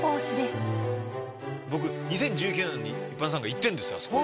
僕２０１９年の一般参賀行ってるんですあそこ。